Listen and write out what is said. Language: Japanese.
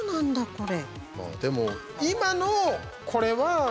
これ。